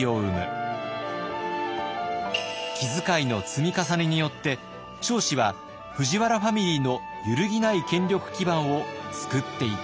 気遣いの積み重ねによって彰子は藤原ファミリーの揺るぎない権力基盤を作っていったのです。